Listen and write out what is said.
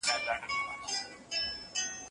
د لويي جرګې له پاره اړین مالي لګښت څوک ورکوي؟